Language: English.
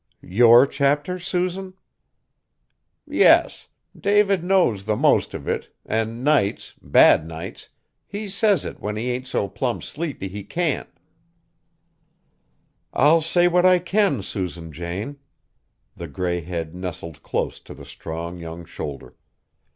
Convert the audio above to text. "Your chapter, Susan?" "Yes. David knows the most of it, an' nights, bad nights, he says it when he ain't so plumb sleepy he can't." "I'll say what I can, Susan Jane." The gray head nestled close to the strong young shoulder.